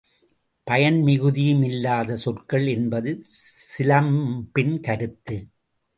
பயன் மிகுதியும் இல்லாத சொற்கள் என்பது சிலம்பின் கருத்து.